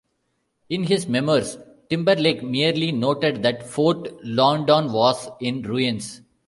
In his "Memoirs", Timberlake merely noted that Fort Loudoun was in ruins.